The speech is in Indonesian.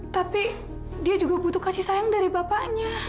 tapi dia juga butuh kasih sayang dari bapaknya